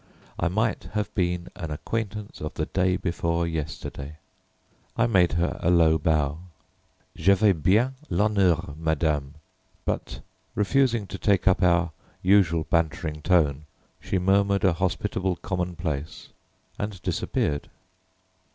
I might have been an acquaintance of the day before yesterday. I made her a low bow. "J'avais bien l'honneur, madame," but refusing to take up our usual bantering tone, she murmured a hospitable commonplace and disappeared.